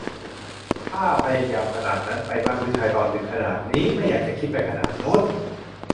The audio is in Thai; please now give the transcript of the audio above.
ถ้าพยายามขนาดนั้น ไปบ้านผู้ชายตอนดึกขนาดนี้ ไม่อยากจะคิดไปขนาดโน้น